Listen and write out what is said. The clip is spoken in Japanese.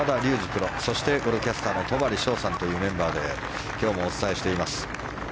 プロそしてゴルフキャスターの戸張捷さんというメンバーで今日もお伝えしています。